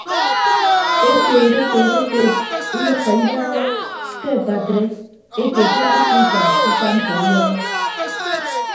Ekpeeb ekpeeb ekpeeb uyʌkkọ ibaaha ke akpatre ete ke afrika ke ufa mkpọ ọyọhọ.